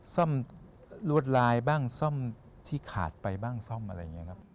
ซ่อมลวดลายบ้างซ่อมที่ขาดไปบ้างซ่อมอะไรอย่างนี้ครับ